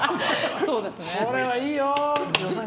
これはいいよ！